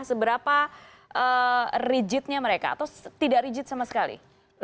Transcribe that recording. seberapa rigidnya mereka atau tidak rigid sama sekali